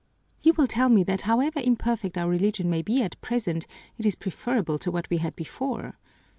"You will tell me that however imperfect our religion may be at present, it is preferable to what we had before.